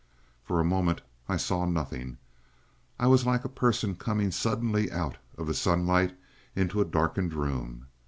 For a moment I saw nothing. I was like a person coming suddenly out of the sunlight into a darkened room.